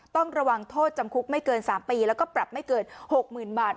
ต้องระวังโทษจำคุกไม่เกิน๓ปีแล้วก็ปรับไม่เกิน๖๐๐๐บาท